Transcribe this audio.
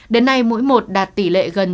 đến nay mũi một đạt tỷ lệ gần chín mươi sáu